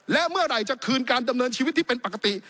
และเมื่อไหร่จะคืนการดำเนินชีวิตที่เป็นปกติ